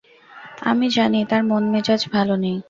আমি জানি তার মন মেজাজ ভালো নেই।